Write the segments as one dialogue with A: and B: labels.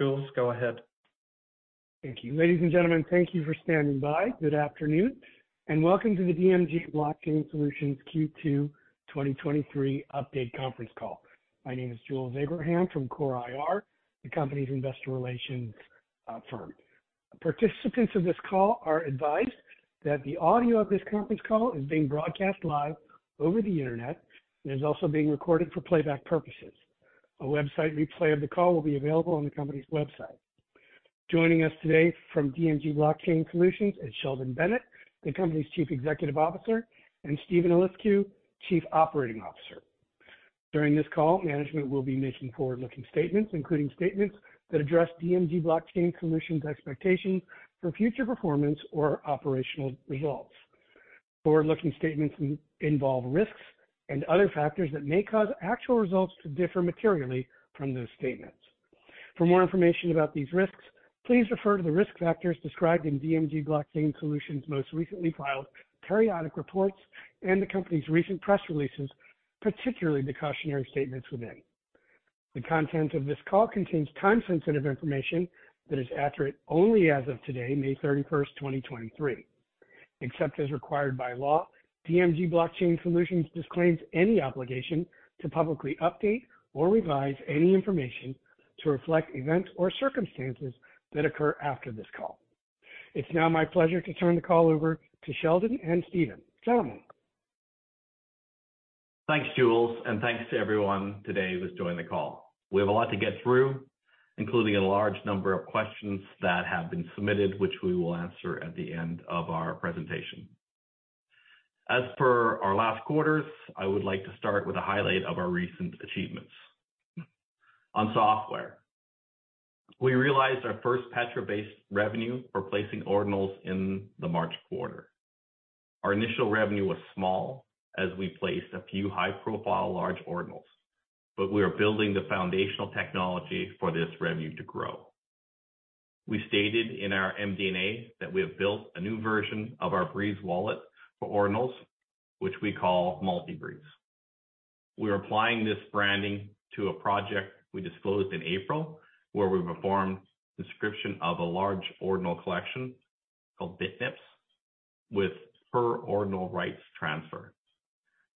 A: Thank you. Ladies and gentlemen, thank you for standing by. Good afternoon, and welcome to the DMG Blockchain Solutions Q2 2023 update conference call. My name is Jules Abraham from CORE IR, the company's investor relations firm. Participants of this call are advised that the audio of this conference call is being broadcast live over the internet and is also being recorded for playback purposes. A website replay of the call will be available on the company's website. Joining us today from DMG Blockchain Solutions is Sheldon Bennett, the company's Chief Executive Officer, and Steven Eliscu, Chief Operating Officer. During this call, management will be making forward-looking statements, including statements that address DMG Blockchain Solutions' expectations for future performance or operational results. Forward-looking statements involve risks and other factors that may cause actual results to differ materially from those statements.
B: For more information about these risks, please refer to the risk factors described in DMG Blockchain Solutions' most recently filed periodic reports and the company's recent press releases, particularly the cautionary statements within. The content of this call contains time-sensitive information that is accurate only as of today, May 31st, 2023. Except as required by law, DMG Blockchain Solutions disclaims any obligation to publicly update or revise any information to reflect events or circumstances that occur after this call. It's now my pleasure to turn the call over to Sheldon and Steven. Gentlemen.
A: Thanks, Jules, thanks to everyone today who has joined the call. We have a lot to get through, including a large number of questions that have been submitted, which we will answer at the end of our presentation. As per our last quarters, I would like to start with a highlight of our recent achievements. On software, we realized our first Petra-based revenue for placing ordinals in the March quarter. Our initial revenue was small, as we placed a few high-profile large ordinals, we are building the foundational technology for this revenue to grow. We stated in our MD&A that we have built a new version of our Breeze Wallet for ordinals, which we call Multi-Breeze. We're applying this branding to a project we disclosed in April, where we performed the inscription of a large ordinal collection called Bitnips, with per ordinal rights transfer.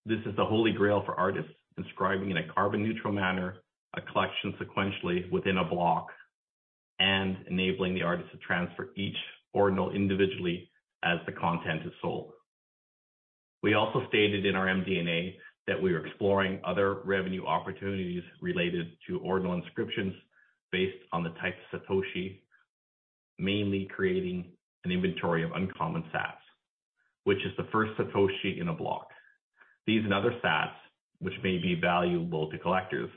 A: This is the Holy Grail for artists, inscribing in a carbon neutral manner, a collection sequentially within a block, and enabling the artist to transfer each ordinal individually as the content is sold. We also stated in our MD&A that we are exploring other revenue opportunities related to ordinal inscriptions based on the type of Satoshi, mainly creating an inventory of uncommon sats, which is the first Satoshi in a block. These and other sats, which may be valuable to collectors,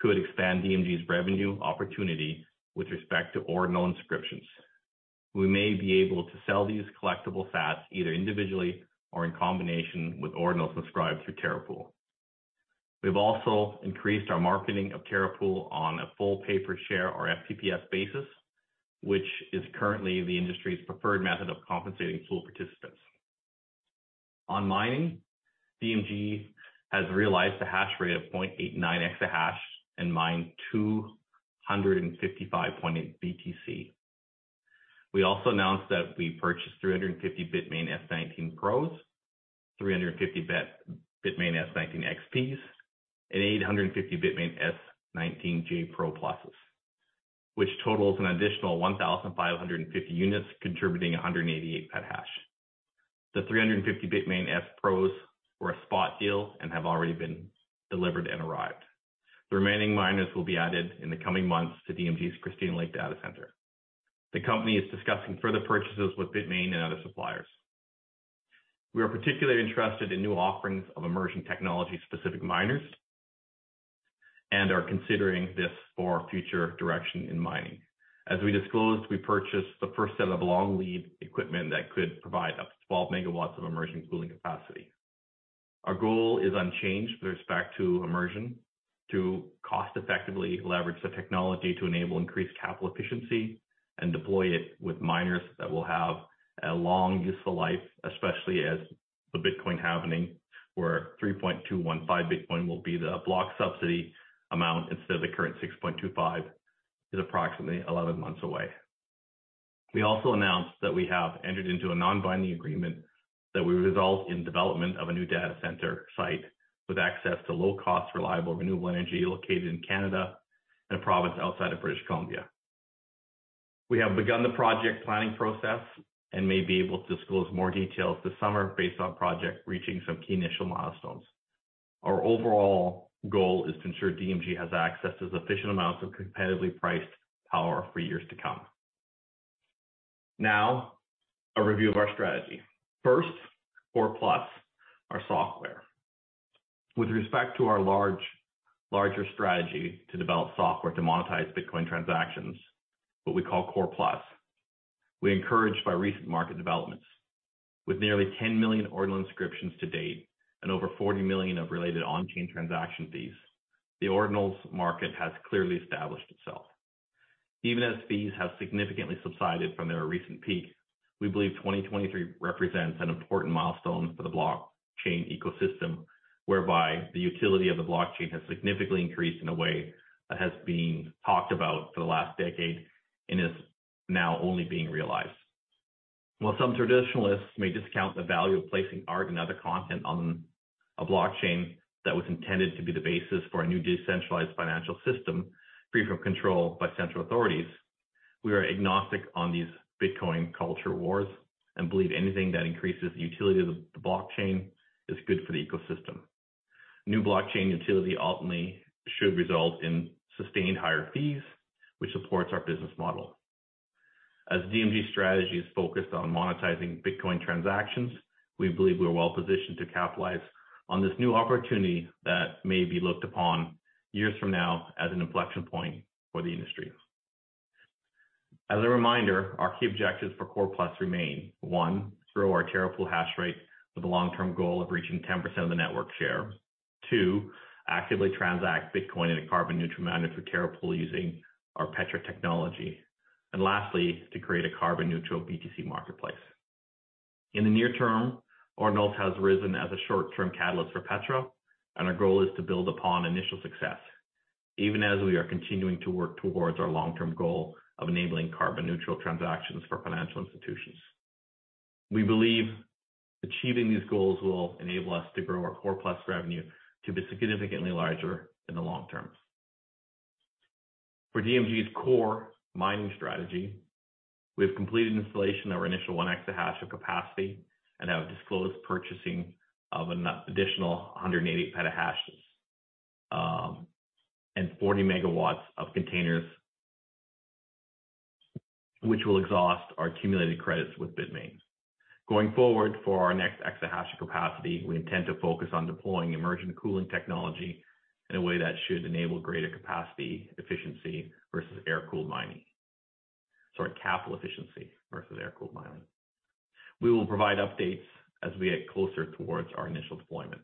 A: could expand DMG's revenue opportunity with respect to ordinal inscriptions. We may be able to sell these collectible sats either individually or in combination with ordinals inscribed through Terra Pool. We've also increased our marketing of Terra Pool on a full pay-per-share, or FPPS, basis, which is currently the industry's preferred method of compensating pool participants. On mining, DMG has realized a hash rate of 0.89 EH and mined 255.8 BTC. We also announced that we purchased 350 Bitmain S19 Pros, 350 Bitmain S19 XPs, and 850 Bitmain S19j Pro+, which totals an additional 1,550 units, contributing 188 PH. The 350 Bitmain S Pros were a spot deal and have already been delivered and arrived. The remaining miners will be added in the coming months to DMG's Christina Lake data center. The company is discussing further purchases with Bitmain and other suppliers. We are particularly interested in new offerings of immersion technology-specific miners, and are considering this for future direction in mining. As we disclosed, we purchased the first set of long lead equipment that could provide up to 12 MW of immersion cooling capacity. Our goal is unchanged with respect to immersion, to cost effectively leverage the technology to enable increased capital efficiency and deploy it with miners that will have a long, useful life, especially as the Bitcoin halving, where 3.215 BTC will be the block subsidy amount instead of the current 6.25, is approximately 11 months away. We also announced that we have entered into a non-binding agreement that will result in development of a new data center site with access to low-cost, reliable, renewable energy located in Canada and a province outside of British Columbia. We have begun the project planning process and may be able to disclose more details this summer based on project reaching some key initial milestones. Our overall goal is to ensure DMG has access to sufficient amounts of competitively priced power for years to come. Now, a review of our strategy. First, Core+, our software. With respect to our larger strategy to develop software to monetize Bitcoin transactions, what we call Core+, we're encouraged by recent market developments. With nearly 10 million Ordinal inscriptions to date and over $40 million of related on-chain transaction fees, the Ordinals market has clearly established itself. Even as fees have significantly subsided from their recent peak, we believe 2023 represents an important milestone for the blockchain ecosystem, whereby the utility of the blockchain has significantly increased in a way that has been talked about for the last decade, and is now only being realized. While some traditionalists may discount the value of placing art and other content on a blockchain that was intended to be the basis for a new decentralized financial system, free from control by central authorities, we are agnostic on these Bitcoin culture wars, and believe anything that increases the utility of the blockchain is good for the ecosystem. New blockchain utility ultimately should result in sustained higher fees, which supports our business model. As DMG's strategy is focused on monetizing Bitcoin transactions, we believe we are well positioned to capitalize on this new opportunity that may be looked upon years from now as an inflection point for the industry. As a reminder, our key objectives for Core+ remain. One, grow our terahash rate with a long-term goal of reaching 10% of the network share. Two, actively transact Bitcoin in a carbon neutral manner for Terra Pool using our Petra technology, lastly, to create a carbon neutral BTC marketplace. In the near term, Ordinals has risen as a short-term catalyst for Petra, and our goal is to build upon initial success, even as we are continuing to work towards our long-term goal of enabling carbon neutral transactions for financial institutions. We believe achieving these goals will enable us to grow our Core+ revenue to be significantly larger in the long term. For DMG's core mining strategy, we have completed installation of our initial 1 EH of capacity and have disclosed purchasing of an additional 180 PH, and 40 MW of containers, which will exhaust our accumulated credits with Bitmain. Going forward, for our next exahash of capacity, we intend to focus on deploying immersion cooling technology in a way that should enable greater capacity, efficiency versus air-cooled mining. Sorry, capital efficiency versus air-cooled mining. We will provide updates as we get closer towards our initial deployment.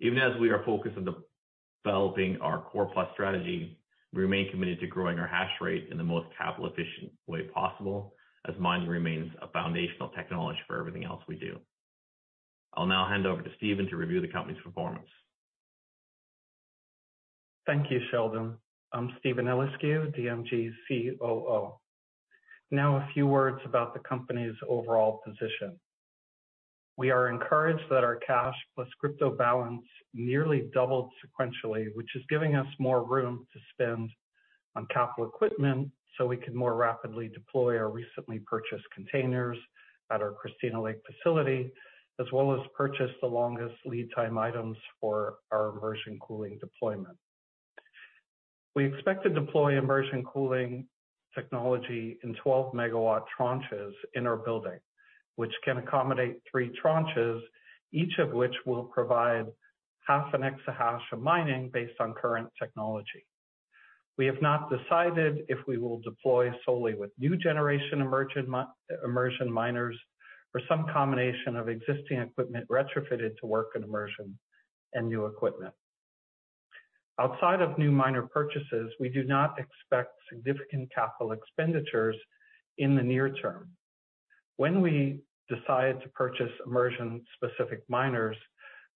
A: Even as we are focused on developing our Core+ strategy, we remain committed to growing our hash rate in the most capital-efficient way possible, as mining remains a foundational technology for everything else we do. I'll now hand over to Steven to review the company's performance.
C: Thank you, Sheldon. I'm Steven Eliscu, DMG's COO. A few words about the company's overall position. We are encouraged that our cash plus crypto balance nearly doubled sequentially, which is giving us more room to spend on capital equipment, so we can more rapidly deploy our recently purchased containers at our Christina Lake facility, as well as purchase the longest lead time items for our immersion cooling deployment. We expect to deploy immersion cooling technology in 12-MW tranches in our building, which can accommodate three tranches, each of which will provide 0.5 EH of mining based on current technology. We have not decided if we will deploy solely with new generation immersion miners, or some combination of existing equipment retrofitted to work in immersion and new equipment. Outside of new miner purchases, we do not expect significant CapEx in the near term. When we decide to purchase immersion-specific miners,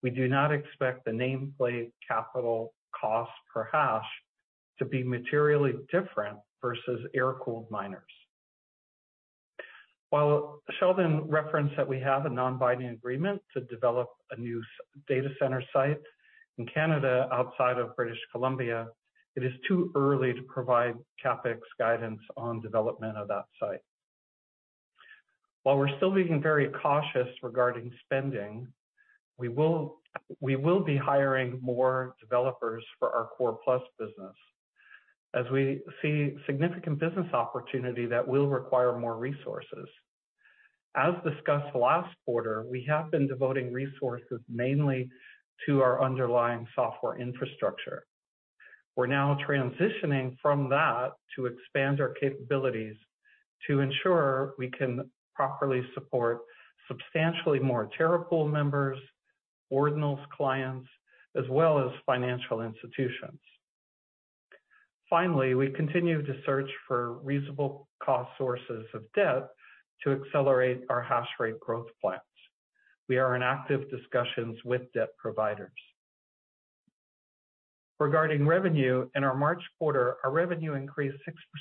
C: we do not expect the nameplate capital cost per hash to be materially different versus air-cooled miners. While Sheldon referenced that we have a non-binding agreement to develop a new data center site in Canada outside of British Columbia, it is too early to provide CapEx guidance on development of that site. While we're still being very cautious regarding spending, we will be hiring more developers for our Core+ business, as we see significant business opportunity that will require more resources. As discussed last quarter, we have been devoting resources mainly to our underlying software infrastructure. We're now transitioning from that to expand our capabilities to ensure we can properly support substantially more Terra Pool members, Ordinals clients, as well as financial institutions. Finally, we continue to search for reasonable cost sources of debt to accelerate our hash rate growth plans. We are in active discussions with debt providers. Regarding revenue, in our March quarter, our revenue increased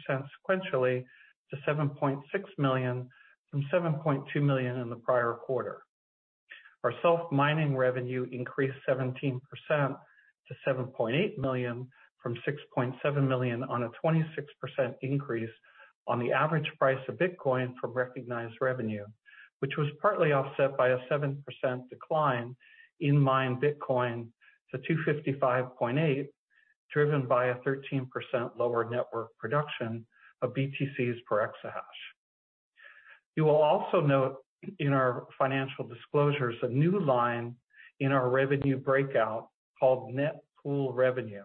C: 6% sequentially to 7.6 million, from 7.2 million in the prior quarter. Our self-mining revenue increased 17% to 7.8 million, from 6.7 million on a 26% increase on the average price of Bitcoin from recognized revenue, which was partly offset by a 7% decline in mined Bitcoin to 255.8 BTC, driven by a 13% lower network production of BTC per exahash. You will also note in our financial disclosures, a new line in our revenue breakout called net pool revenue,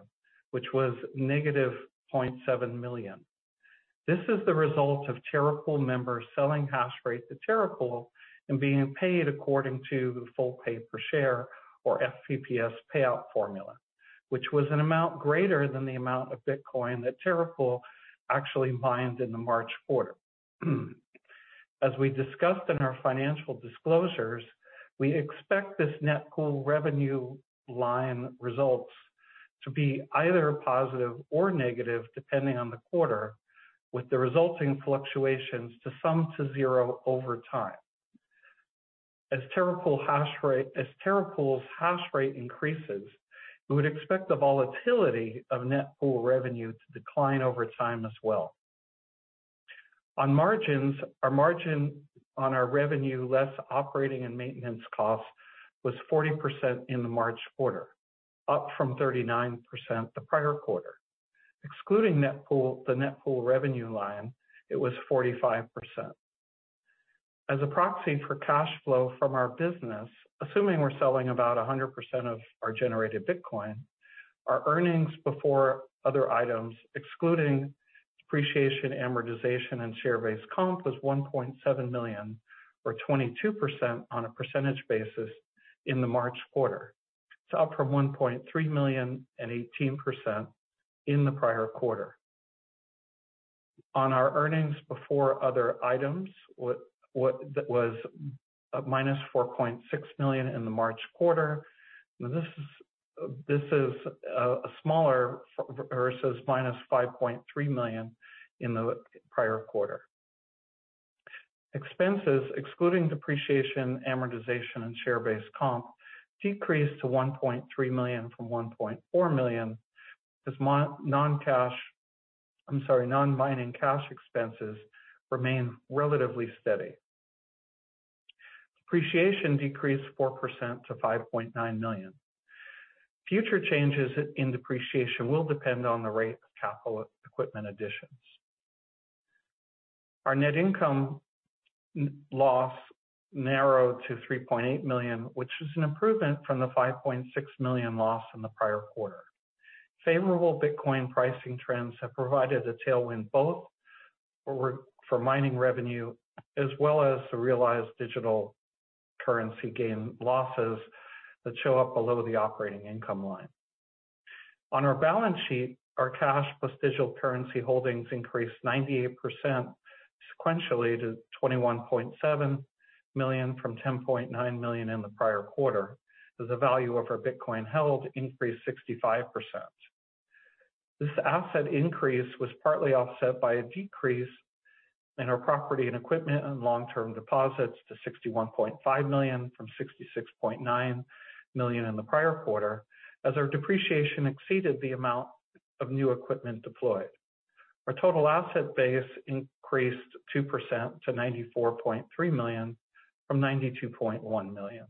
C: which was -0.7 million. This is the result of Terra Pool members selling hash rate to Terra Pool, and being paid according to the full pay per share or FPPS payout formula. Which was an amount greater than the amount of Bitcoin that Terra Pool actually mined in the March quarter. As we discussed in our financial disclosures, we expect this net pool revenue line results to be either positive or negative, depending on the quarter, with the resulting fluctuations to sum to zero over time. As Terra Pool's hash rate increases, we would expect the volatility of net pool revenue to decline over time as well. On margins, our margin on our revenue, less operating and maintenance costs, was 40% in the March quarter, up from 39% the prior quarter. Excluding net pool, the net pool revenue line, it was 45%. As a proxy for cash flow from our business, assuming we're selling about 100% of our generated Bitcoin, our earnings before other items, excluding depreciation, amortization, and share-based comp, was 1.7 million, or 22% on a percentage basis in the March quarter. It's up from 1.3 million and 18% in the prior quarter. On our earnings before other items, what that was -4.6 million in the March quarter. This is a smaller versus -5.3 million in the prior quarter. Expenses, excluding depreciation, amortization, and share-based comp, decreased to 1.3 million from 1.4 million, as non-mining cash expenses remain relatively steady. Depreciation decreased 4% to 5.9 million. Future changes in depreciation will depend on the rate of capital equipment additions. Our net income loss narrowed to 3.8 million, which is an improvement from the 5.6 million loss in the prior quarter. Favorable Bitcoin pricing trends have provided a tailwind both for mining revenue, as well as the realized digital currency gain losses that show up below the operating income line. On our balance sheet, our cash plus digital currency holdings increased 98% sequentially to 21.7 million, from 10.9 million in the prior quarter, as the value of our Bitcoin held increased 65%. This asset increase was partly offset by a decrease in our property and equipment and long-term deposits to 61.5 million, from 66.9 million in the prior quarter, as our depreciation exceeded the amount of new equipment deployed. Our total asset base increased 2% to 94.3 million from 92.1 million.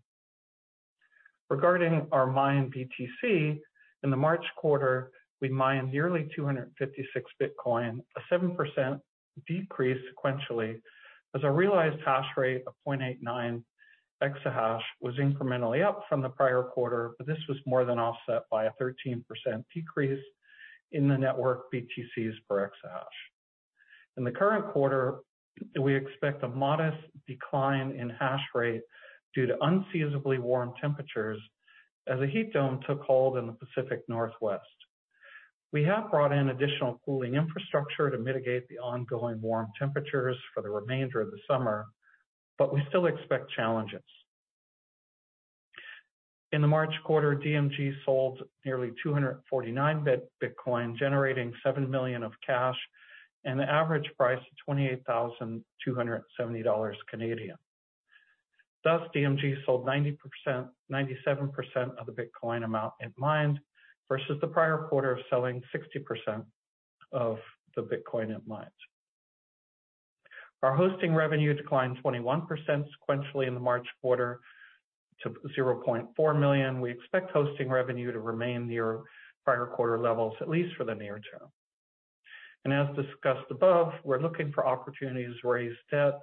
C: Regarding our mined BTC, in the March quarter, we mined nearly 256 BTC, a 7% decrease sequentially, as a realized hash rate of 0.89 EH was incrementally up from the prior quarter, this was more than offset by a 13% decrease in the network BTCs per exahash. In the current quarter, we expect a modest decline in hash rate due to unseasonably warm temperatures, as a heat dome took hold in the Pacific Northwest. We have brought in additional cooling infrastructure to mitigate the ongoing warm temperatures for the remainder of the summer, we still expect challenges. In the March quarter, DMG sold nearly 249 BTC, generating 7 million of cash, an average price of 28,270 Canadian dollars. Thus, DMG sold 97% of the Bitcoin amount it mined, versus the prior quarter of selling 60% of the Bitcoin it mined. Our hosting revenue declined 21% sequentially in the March quarter to 0.4 million. We expect hosting revenue to remain near prior quarter levels, at least for the near term. As discussed above, we're looking for opportunities to raise debt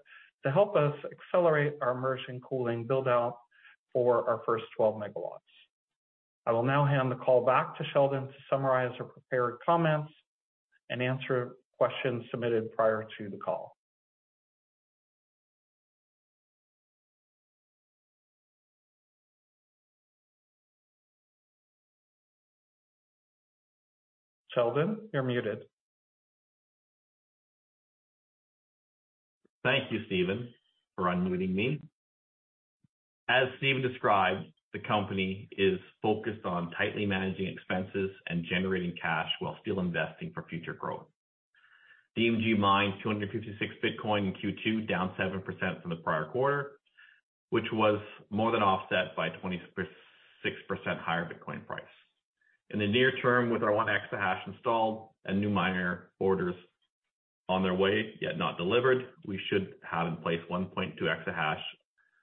C: to help us accelerate our immersion cooling build-out for our first 12 MW. I will now hand the call back to Sheldon to summarize our prepared comments and answer questions submitted prior to the call. Sheldon, you're muted.
A: Thank you, Steven, for unmuting me. As Steven described, the company is focused on tightly managing expenses and generating cash while still investing for future growth. DMG mined 256 BTC in Q2, down 7% from the prior quarter, which was more than offset by 26% higher Bitcoin price. In the near term, with our 1 EH installed and new miner orders on their way, yet not delivered, we should have in place 1.2 EH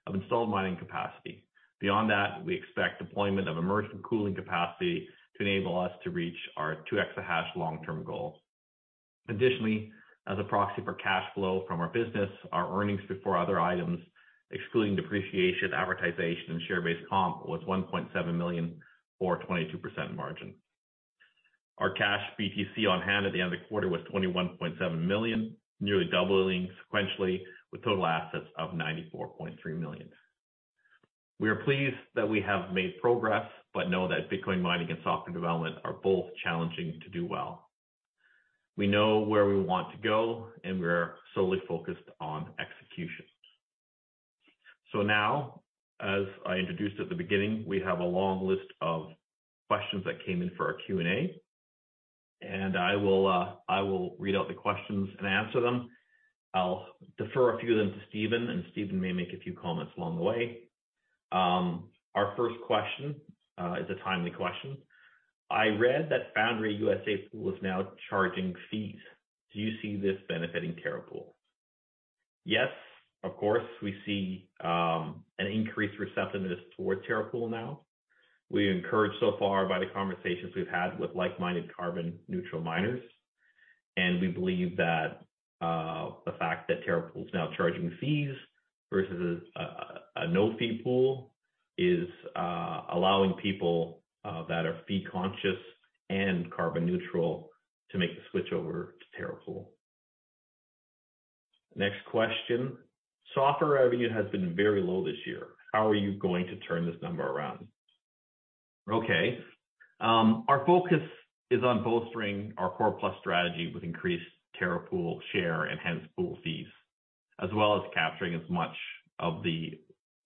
A: of installed mining capacity. Beyond that, we expect deployment of immersion cooling capacity to enable us to reach our 2 EH long-term goal. As a proxy for cash flow from our business, our earnings before other items, excluding depreciation, amortization, and share-based comp, was 1.7 million, or 22% margin. Our cash BTC on hand at the end of the quarter was 21.7 million, nearly doubling sequentially, with total assets of 94.3 million. We are pleased that we have made progress, know that Bitcoin mining and software development are both challenging to do well. We know where we want to go, we're solely focused on execution. Now, as I introduced at the beginning, we have a long list of questions that came in for our Q&A, I will read out the questions and answer them. I'll defer a few of them to Steven may make a few comments along the way. Our first question is a timely question. I read that Foundry USA Pool is now charging fees. Do you see this benefiting Terra Pool? Yes, of course, we see an increased receptiveness towards Terra Pool now. We're encouraged so far by the conversations we've had with like-minded carbon-neutral miners. We believe that the fact that Terra Pool is now charging fees versus a no-fee pool is allowing people that are fee-conscious and carbon neutral to make the switch over to Terra Pool. Next question. Software revenue has been very low this year. How are you going to turn this number around? Okay. Our focus is on bolstering our Core+ strategy with increased Terra Pool share and hence pool fees, as well as capturing as much of the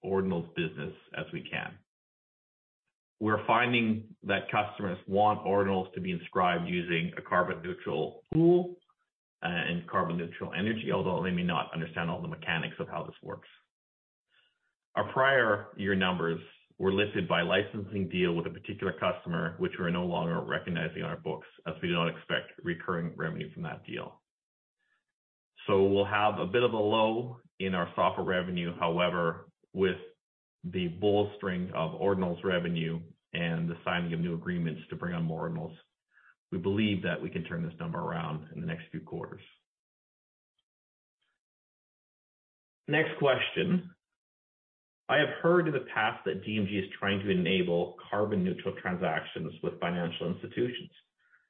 A: Ordinals business as we can. We're finding that customers want Ordinals to be inscribed using a carbon neutral pool and carbon neutral energy, although they may not understand all the mechanics of how this works. Our prior year numbers were listed by licensing deal with a particular customer, which we're no longer recognizing on our books, as we do not expect recurring revenue from that deal. We'll have a bit of a low in our software revenue. However, with the bolstering of Ordinals revenue and the signing of new agreements to bring on more Ordinals, we believe that we can turn this number around in the next few quarters. Next question. I have heard in the past that DMG is trying to enable carbon neutral transactions with financial institutions.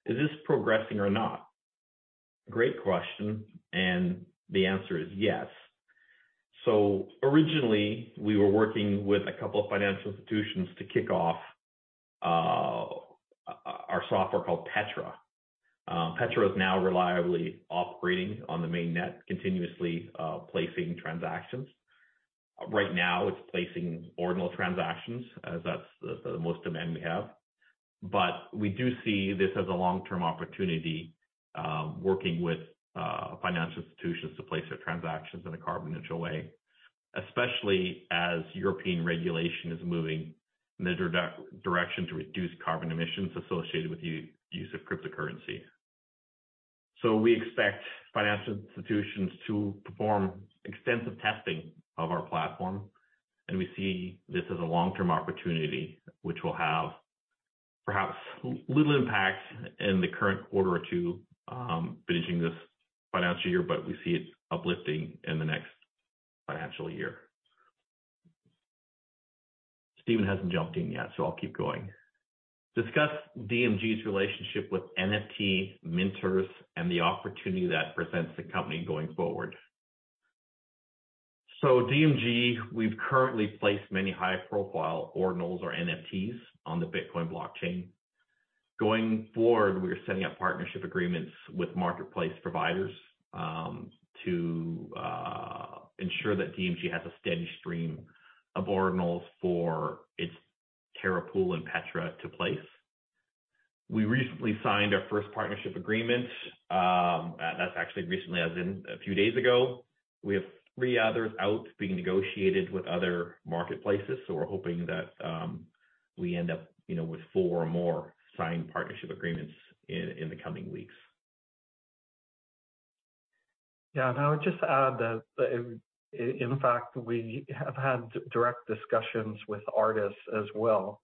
A: Is this progressing or not? Great question, the answer is yes. Originally, we were working with a couple of financial institutions to kick off our software called Petra. Petra is now reliably operating on the mainnet, continuously placing transactions. It's placing Ordinals transactions, as that's the most demand we have. We do see this as a long-term opportunity, working with financial institutions to place their transactions in a carbon neutral way, especially as European regulation is moving in a direction to reduce carbon emissions associated with use of cryptocurrency. We expect financial institutions to perform extensive testing of our platform, and we see this as a long-term opportunity, which will have perhaps little impact in the current quarter or two, finishing this financial year, but we see it uplifting in the next financial year. Steven hasn't jumped in yet, I'll keep going. Discuss DMG's relationship with NFT minters and the opportunity that presents the company going forward. DMG, we've currently placed many high-profile Ordinals or NFTs on the Bitcoin blockchain. Going forward, we are setting up partnership agreements with marketplace providers to ensure that DMG has a steady stream of Ordinals for its Terra Pool and Petra to place. We recently signed our first partnership agreement. That's actually recently, as in a few days ago. We have three others out being negotiated with other marketplaces, so we're hoping that, you know, we end up with four or more signed partnership agreements in the coming weeks.
C: Yeah, I would just add that in fact, we have had direct discussions with artists as well,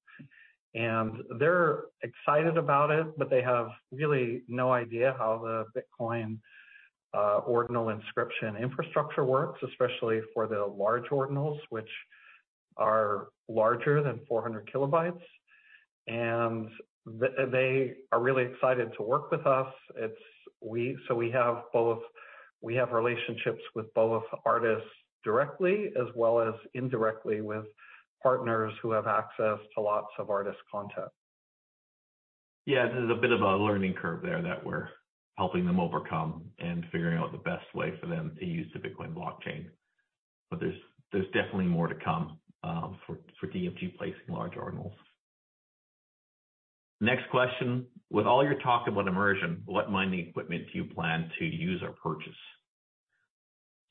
C: and they're excited about it, but they have really no idea how the Bitcoin Ordinal inscription infrastructure works, especially for the large Ordinals, which are larger than 400 KB. They are really excited to work with us. We have both, we have relationships with both artists directly as well as indirectly with partners who have access to lots of artist content.
A: There's a bit of a learning curve there that we're helping them overcome and figuring out the best way for them to use the Bitcoin blockchain. There's definitely more to come for DMG placing large Ordinals. Next question: With all your talk about immersion, what mining equipment do you plan to use or purchase?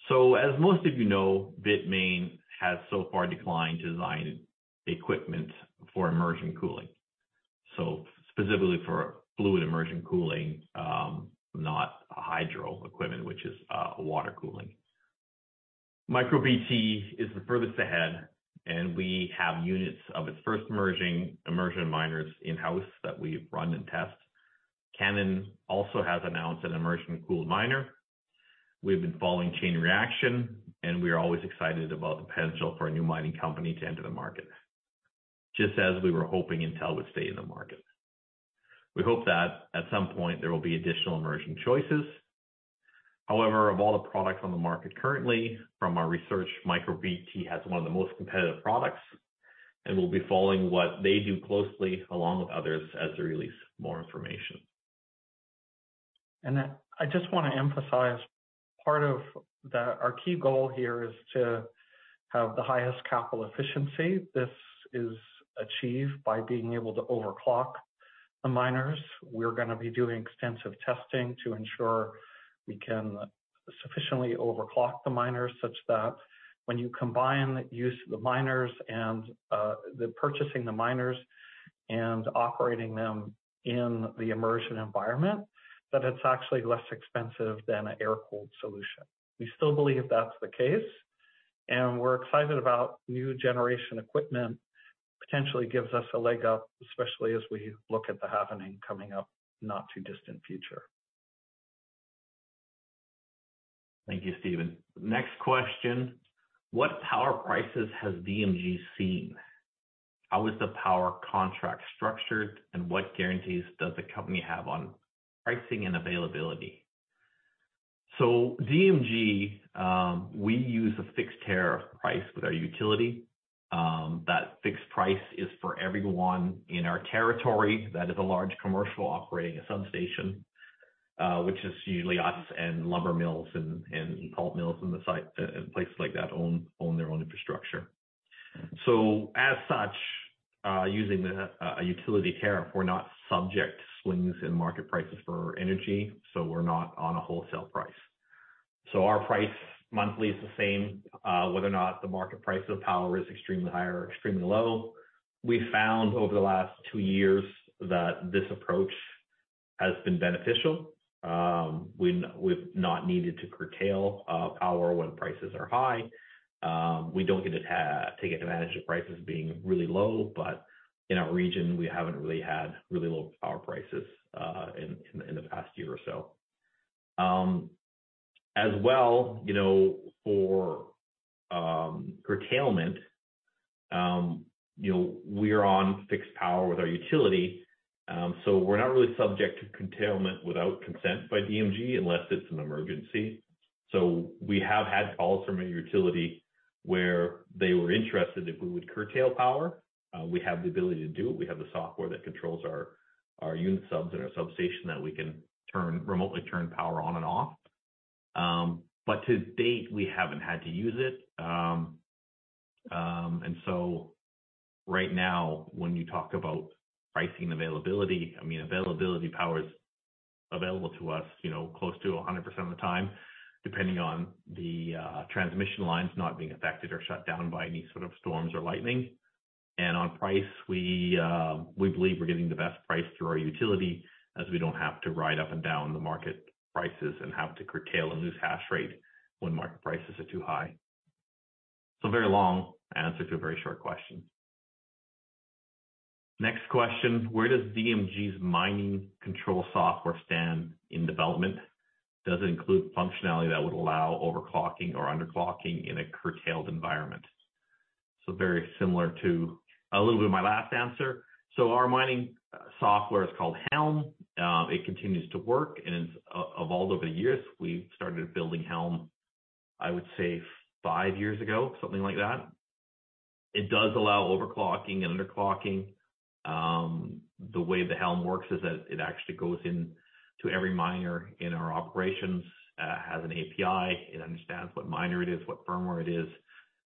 A: As most of you know, Bitmain has so far declined to design the equipment for immersion cooling. Specifically for fluid immersion cooling, not hydro equipment, which is water cooling. MicroBT is the furthest ahead, and we have units of its first immersion miners in-house that we've run and test. Canaan also has announced an immersion cooled miner. We've been following Chain Reaction, and we are always excited about the potential for a new mining company to enter the market, just as we were hoping Intel would stay in the market. We hope that at some point there will be additional immersion choices. However, of all the products on the market currently, from our research, MicroBT has one of the most competitive products, and we'll be following what they do closely, along with others, as they release more information.
C: I just want to emphasize, part of our key goal here is to have the highest capital efficiency. This is achieved by being able to overclock the miners. We're gonna be doing extensive testing to ensure we can sufficiently overclock the miners, such that when you combine the use of the miners and the purchasing the miners and operating them in the immersion environment, that it's actually less expensive than an air-cooled solution. We still believe that's the case, and we're excited about new generation equipment, potentially gives us a leg up, especially as we look at the halving coming up in the not-too-distant future.
A: Thank you, Steven. Next question: What power prices has DMG seen? How is the power contract structured, and what guarantees does the company have on pricing and availability? DMG, we use a fixed tariff price with our utility. That fixed price is for everyone in our territory. That is a large commercial operating substation, which is usually us and lumber mills and pulp mills and the site and places like that own their own infrastructure. As such, using the a utility tariff, we're not subject to swings in market prices for energy, so we're not on a wholesale price. Our price monthly is the same whether or not the market price of power is extremely high or extremely low. We found over the last two years that this approach has been beneficial. We've not needed to curtail power when prices are high. We don't get to take advantage of prices being really low, but in our region, we haven't really had really low power prices in the past year or so. As well, you know, for curtailment, you know, we are on fixed power with our utility, so we're not really subject to curtailment without consent by DMG, unless it's an emergency. We have had calls from a utility where they were interested if we would curtail power. We have the ability to do it. We have the software that controls our unit subs and our substation that we can remotely turn power on and off. To date, we haven't had to use it. Right now, when you talk about pricing availability, I mean, availability power is available to us, you know, close to 100% of the time, depending on the transmission lines not being affected or shut down by any sort of storms or lightning. On price, we believe we're getting the best price through our utility, as we don't have to ride up and down the market prices and have to curtail and lose hash rate when market prices are too high. A very long answer to a very short question. Next question: Where does DMG's mining control software stand in development? Does it include functionality that would allow overclocking or underclocking in a curtailed environment? Very similar to a little bit of my last answer. Our mining software is called Helm. It continues to work and it's evolved over the years. We started building Helm, I would say, five years ago, something like that. It does allow overclocking and underclocking. The way the Helm works is that it actually goes into every miner in our operations, has an API, it understands what miner it is, what firmware it is,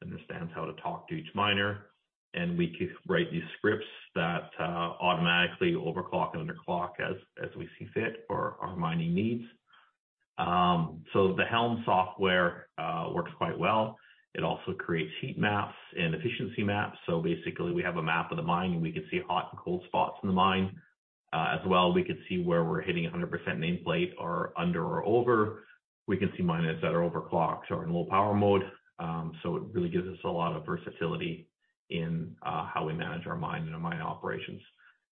A: understands how to talk to each miner, and we can write these scripts that automatically overclock and underclock as we see fit for our mining needs. The Helm software works quite well. It also creates heat maps and efficiency maps. Basically, we have a map of the mine, and we can see hot and cold spots in the mine. As well, we can see where we're hitting 100% nameplate or under or over. We can see miners that are overclocked or in low power mode. It really gives us a lot of versatility in how we manage our mine and our mine operations.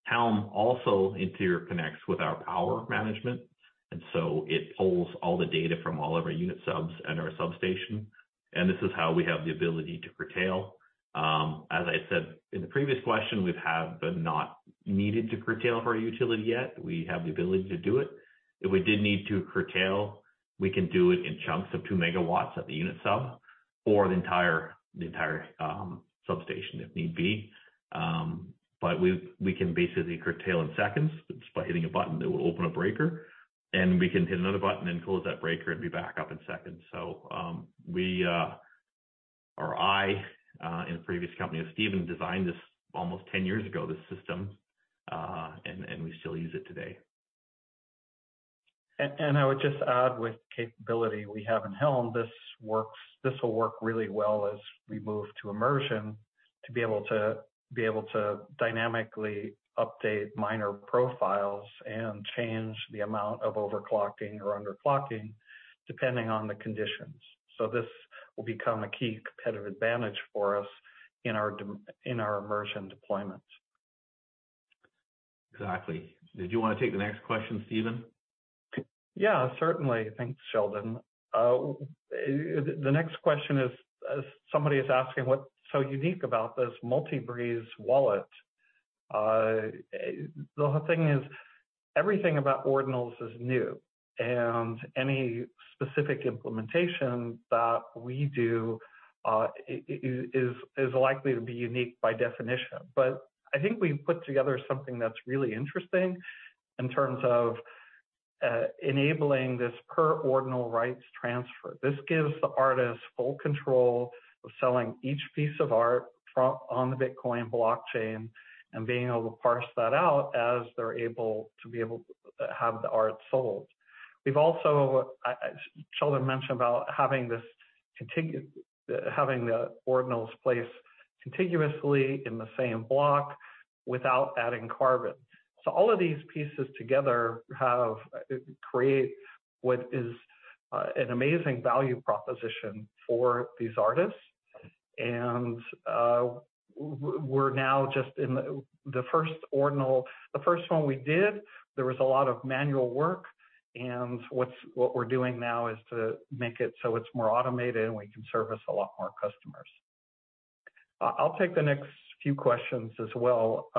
A: Helm also interconnects with our power management, and so it pulls all the data from all of our unit subs and our substation, and this is how we have the ability to curtail. As I said in the previous question, we've have, but not needed to curtail our utility yet. We have the ability to do it. If we did need to curtail, we can do it in chunks of 2 MW at the unit sub or the entire substation, if need be. We, we can basically curtail in seconds just by hitting a button that will open a breaker, and we can hit another button and close that breaker and be back up in seconds. We, or I, in the previous company of Steven, designed this almost 10 years ago, this system, and we still use it today.
C: I would just add with the capability we have in Helm, this will work really well as we move to immersion, to be able to dynamically update miner profiles and change the amount of overclocking or underclocking, depending on the conditions. This will become a key competitive advantage for us in our immersion deployments.
A: Exactly. Did you want to take the next question, Steven?
C: Yeah, certainly. Thanks, Sheldon. The next question is, somebody is asking: What's so unique about this Multi-Breeze wallet? The whole thing is, everything about Ordinals is new, and any specific implementation that we do, is likely to be unique by definition. I think we've put together something that's really interesting in terms of enabling this per Ordinal rights transfer. This gives the artist full control of selling each piece of art on the Bitcoin blockchain, and being able to parse that out as they're able to be able to have the art sold. We've also, Sheldon mentioned about having the Ordinals placed contiguously in the same block without adding carbon. All of these pieces together have create what is an amazing value proposition for these artists. We're now just in the first Ordinal. The first one we did, there was a lot of manual work, and what we're doing now is to make it so it's more automated, and we can service a lot more customers. I'll take the next few questions as well.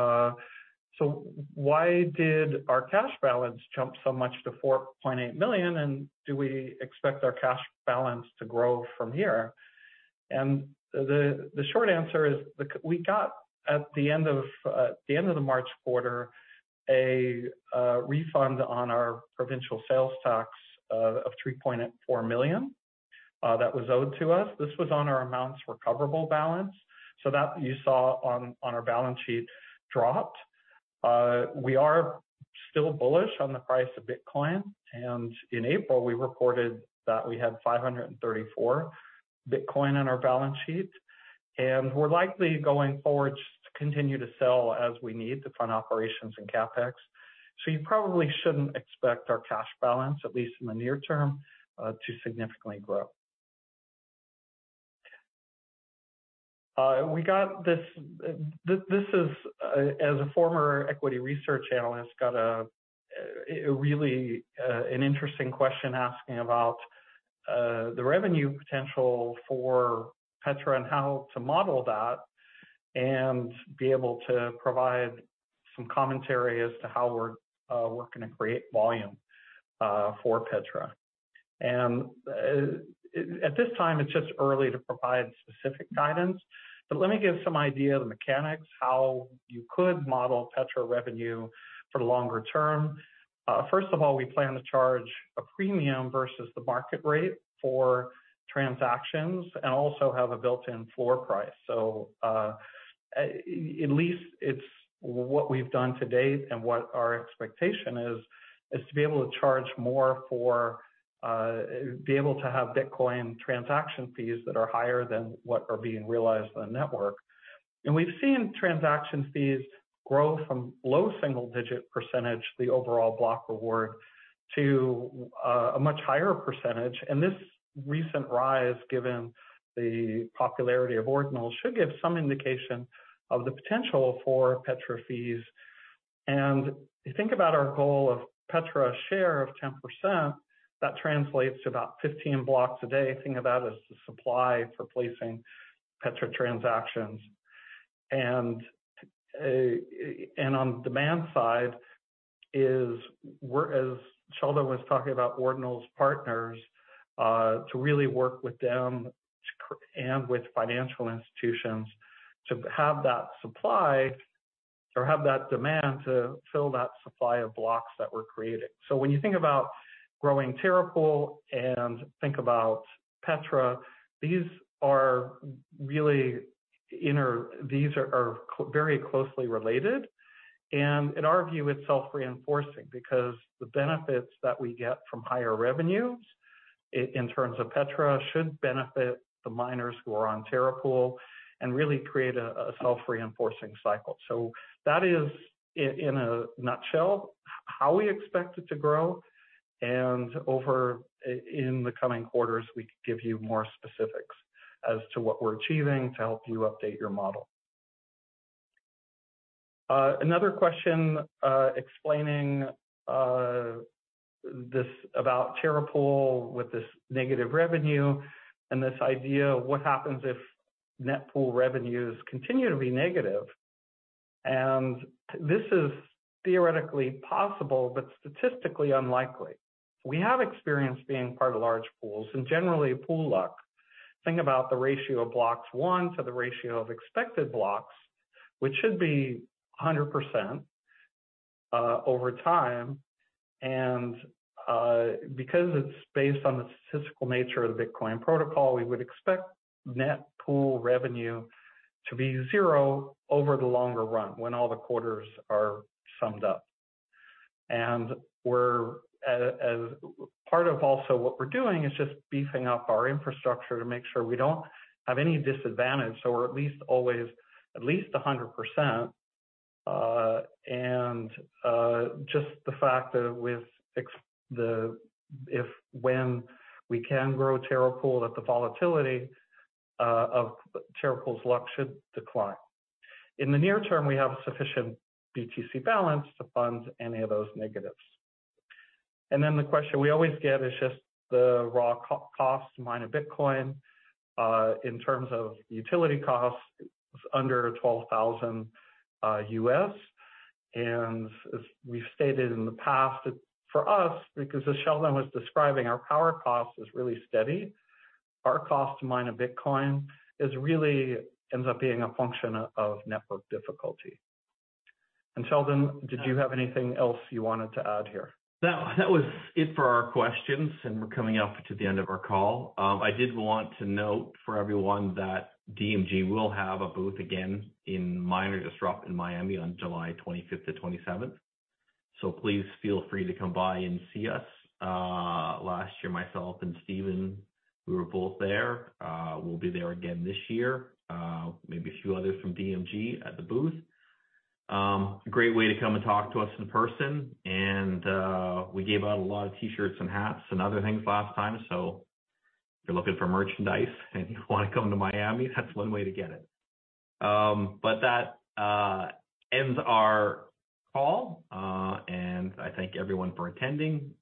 C: Why did our cash balance jump so much to 4.8 million, and do we expect our cash balance to grow from here? The short answer is we got, at the end of the March quarter, a refund on our provincial sales tax of 3.4 million that was owed to us. This was on our amounts recoverable balance. That you saw on our balance sheet dropped. We are still bullish on the price of Bitcoin. In April, we reported that we had 534 BTC on our balance sheet, and we're likely, going forward, to continue to sell as we need to fund operations and CapEx. You probably shouldn't expect our cash balance, at least in the near term, to significantly grow. We got this, as a former equity research analyst, got a really interesting question asking about the revenue potential for Petra and how to model that, and be able to provide some commentary as to how we're working to create volume for Petra. At this time, it's just early to provide specific guidance, but let me give some idea of the mechanics, how you could model Petra revenue for the longer term. First of all, we plan to charge a premium versus the market rate for transactions, and also have a built-in floor price. At least it's what we've done to date and what our expectation is to be able to charge more for, be able to have Bitcoin transaction fees that are higher than what are being realized on the network. We've seen transaction fees grow from low single-digit percentage, the overall block reward, to a much higher %. This recent rise, given the popularity of Ordinals, should give some indication of the potential for Petra fees. If you think about our goal of Petra share of 10%, that translates to about 15 blocks a day. Think about it as the supply for placing Petra transactions. On demand side is, as Sheldon was talking about Ordinals partners, to really work with them and with financial institutions to have that supply, or have that demand to fill that supply of blocks that we're creating. When you think about growing Terra Pool and think about Petra, these are really these are very closely related, and in our view, it's self-reinforcing because the benefits that we get from higher revenues in terms of Petra, should benefit the miners who are on Terra Pool and really create a self-reinforcing cycle. That is, in a nutshell, how we expect it to grow, and over, in the coming quarters, we can give you more specifics as to what we're achieving to help you update your model. Another question, explaining this, about Terra Pool with this negative revenue and this idea of what happens if net pool revenues continue to be negative. This is theoretically possible, but statistically unlikely. We have experience being part of large pools, generally, pool luck. Think about the ratio of blocks won to the ratio of expected blocks, which should be 100% over time. Because it's based on the statistical nature of the Bitcoin protocol, we would expect net pool revenue to be zero over the longer run, when all the quarters are summed up. Part of also what we're doing is just beefing up our infrastructure to make sure we don't have any disadvantage, so we're at least always at least 100%, and just the fact that when we can grow Terra Pool, that the volatility of Terra Pool's luck should decline. In the near term, we have sufficient BTC balance to fund any of those negatives. The question we always get is just the raw costs to mine a Bitcoin. In terms of utility costs, it's under $12,000. As we've stated in the past, that for us, because as Sheldon was describing, our power cost is really steady, our cost to mine a Bitcoin is really, ends up being a function of network difficulty. Sheldon, did you have anything else you wanted to add here?
A: No, that was it for our questions, and we're coming up to the end of our call. I did want to note for everyone that DMG will have a booth again in Mining Disrupt in Miami on July 25th to 27th. Please feel free to come by and see us. Last year, myself and Steven, we were both there. We'll be there again this year, maybe a few others from DMG at the booth. A great way to come and talk to us in person, we gave out a lot of T-shirts and hats and other things last time, if you're looking for merchandise and you wanna come to Miami, that's one way to get it. That ends our call. I thank everyone for attending.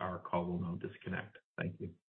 A: Our call will now disconnect. Thank you.